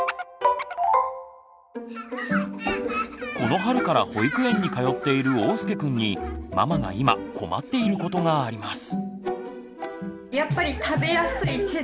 この春から保育園に通っているおうすけくんにママが今困っていることがあります。